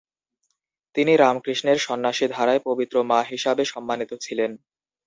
তিনি রামকৃষ্ণের সন্ন্যাসী ধারায় পবিত্র মা হিসাবে সম্মানিত ছিলেন।